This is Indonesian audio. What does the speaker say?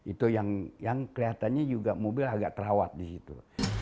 itu yang kelihatannya juga mobil agak terawat di situ